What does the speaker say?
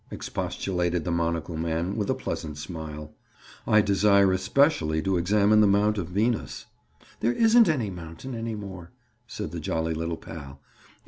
expostulated the monocle man with a pleasant smile. "I desire especially to examine the Mount of Venus." "There isn't any mountain any more," said the jolly little pal.